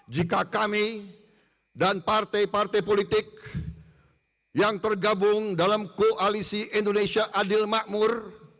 jika kami dan partai partai politik yang tergabung dalam koalisi indonesia adil makmur